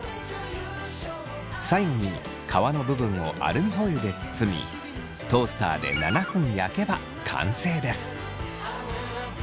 最後に皮の部分をアルミホイルで包みトースターで７分焼けば完成です。